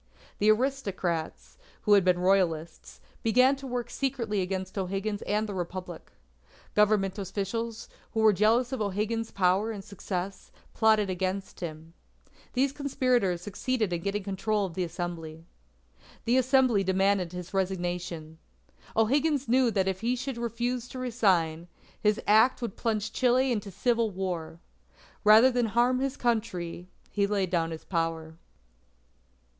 The aristocrats, who had been Royalists, began to work secretly against O'Higgins and the Republic. Government officials, who were jealous of O'Higgins's power and success, plotted against him. These conspirators succeeded in getting control of the Assembly. The Assembly demanded his resignation. O'Higgins knew that if he should refuse to resign, his act would plunge Chile into civil war. Rather than harm his Country, he laid down his power.